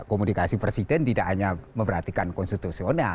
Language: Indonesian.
komunikasi presiden tidak hanya memperhatikan konstitusional